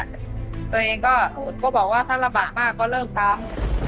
ตัวเองก็บอกว่าถ้าลำบากมากก็เริ่มทำ